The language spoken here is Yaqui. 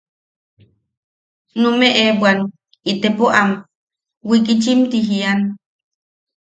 Numeʼe bwan itepo am wikichim ti jian.